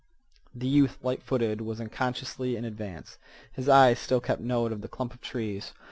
The youth, light footed, was unconsciously in advance. His eyes still kept note of the clump of trees.